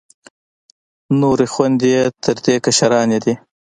نورې خویندې یې تر دې کشرانې دي.